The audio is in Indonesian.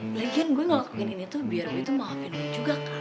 belajar gue ngelakuin ini tuh biar boy tuh maafin gue juga kan